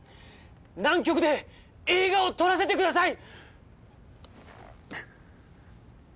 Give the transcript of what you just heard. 南極で映画を撮らせてください。